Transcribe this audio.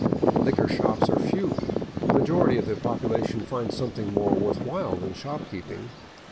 Liquor shops are few; the majority of the population finds something more worth while than shopkeeping.